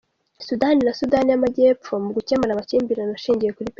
Sudani na Sudani y’Amajyepfo mu gukemura amakimbirane ashingiye kuri peteroli